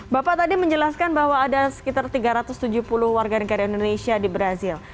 bapak tadi menjelaskan bahwa ada sekitar tiga ratus tujuh puluh warga negara indonesia di brazil